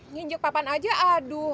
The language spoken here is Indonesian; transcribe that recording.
nginjek papan aja aduh